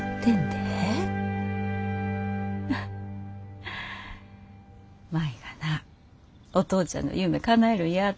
「お父ちゃんの夢かなえるんや」て。